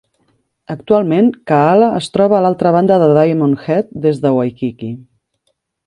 Actualment, Kahala es troba a l'altra banda de Diamond Head des de Waikiki.